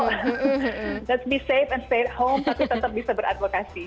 let's be safe and stay at home tapi tetap bisa beradvokasi